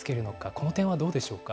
この点はどうでしょうか。